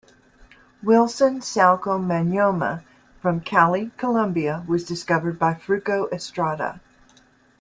Wilson "Saoko" Manyoma, from Cali, Colombia was discovered by Fruko Estrada.